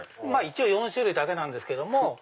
一応４種類だけなんですけども。